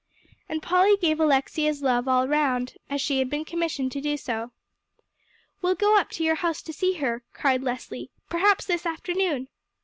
And Polly gave Alexia's love all round, as she had been commissioned to do. "We'll go up to your house to see her," cried Leslie, "perhaps this afternoon."